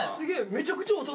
めちゃくちゃ大人。